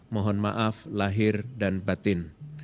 mohon maaf lahir dan batin